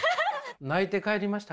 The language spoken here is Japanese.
泣いて帰りました。